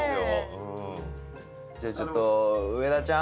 じゃあちょっとウエダちゃん。